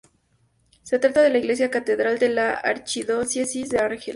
Se trata de la iglesia catedral de la archidiócesis de Argel.